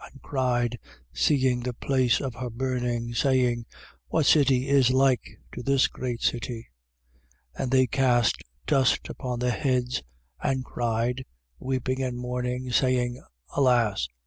And cried, seeing the place of her burning, saying: What city is like to this great city? 18:19. And they cast dust upon their heads and cried, weeping and mourning, saying: Alas!